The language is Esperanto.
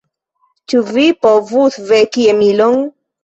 Ĉu vi povus veki Emilon?